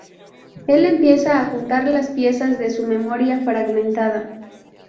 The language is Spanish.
Él empieza a juntar las piezas de su memoria fragmentada.